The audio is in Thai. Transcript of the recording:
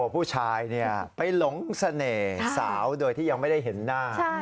ผู้ชายไปหลงเสน่ห์สาวโดยที่ยังไม่ได้เห็นหน้า